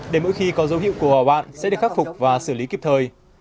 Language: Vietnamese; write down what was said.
để mỗi khi có dấu hiệu của họ bạn sẽ được khắc phục và xử lý kịp thời